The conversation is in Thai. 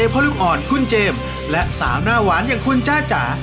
พร้อมนะครับ